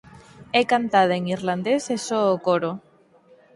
É cantada en irlandés e só o coro.